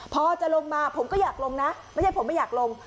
พอจะลงมาผมก็อยากลงนะไม่ใช่ผมไม่อยากลง